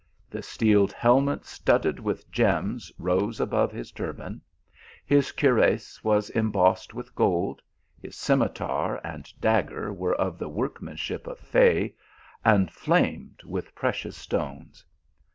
A steeled helmet studded with gems rose above his turban ; his cui rass was embossed with gold; his scimitar and dagger were of the workmanship of Fay, and flamed with precious stones.